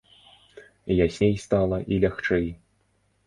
Ясней стала і лягчэй.